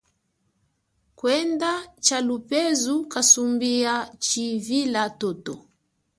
Kwenda tshalupezu kasumbi ya tshivila toto.